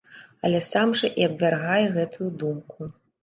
Але сам жа і абвяргае гэтую думку.